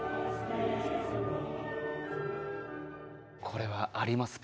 これはあります